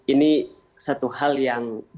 ini satu hal yang